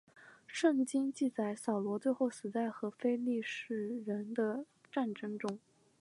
圣经记载扫罗最后死在和非利士人的战争中。